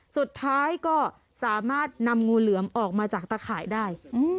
สุดท้ายก็สามารถนำงูเหลือมออกมาจากตะข่ายได้